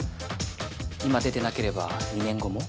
今出てなければ２年後も。